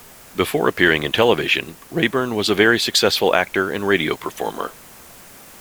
Before appearing in television, Rayburn was a very successful actor and radio performer.